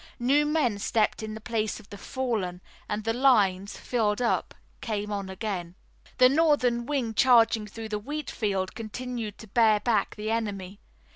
New men stepped in the place of the fallen, and the lines, filled up, came on again. The Northern wing charging through the wheat field continued to bear back the enemy.